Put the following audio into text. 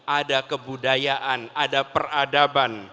ada kebudayaan ada peradaban